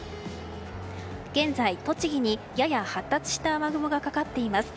現在栃木に、やや発達した雨雲がかかっています。